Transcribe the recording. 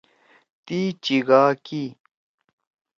تی چیِگا کی۔